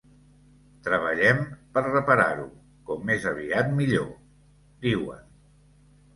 Treballem per reparar-ho com més aviat millor, diuen.